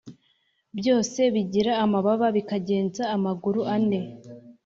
Byose bigira amababa bikagenza amaguru ane